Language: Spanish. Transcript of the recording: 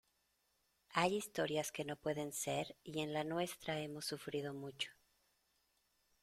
hay historias que no pueden ser y en la nuestra hemos sufrido mucho.